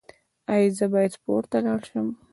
ایا زه باید پورته لاړ شم؟